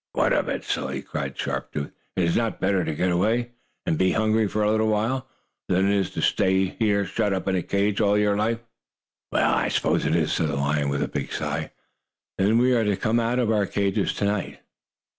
"What of it, silly?" cried Sharp Tooth. "Is it not better to get away, and be hungry for a little while, than to stay here shut up in a cage all your life?" "Well, I suppose it is," said the lion with a big sigh. "Then we are to come out of our cages to night?"